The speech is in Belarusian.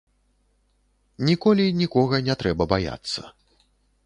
Ніколі нікога не трэба баяцца.